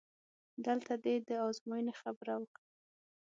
دلته دې د ازموینې خبره وکړه؟!